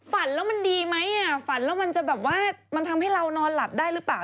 ฝันแล้วมันดีไหมฝันแล้วมันจะแบบว่ามันทำให้เรานอนหลับได้หรือเปล่า